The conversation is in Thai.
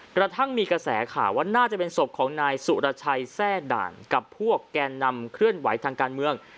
กระทั่งมีกระแสข่าวว่าน่าจะเป็นศพของนายสุรชัยแทร่ด่านกับพวกแกนนำเคลื่อนไหวทางการเมือง